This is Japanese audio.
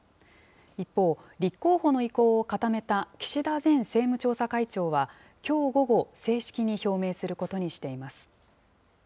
一方、立候補の意向を固めた岸田前政務調査会長は、きょう午後、正式に表明することにしています。